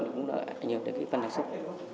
đó là những cái phần đặc sức